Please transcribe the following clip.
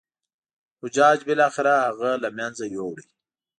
حجاج بالاخره هغه له منځه یووړ.